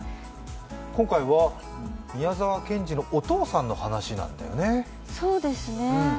今回は宮沢賢治のお父さんの話なんだよね。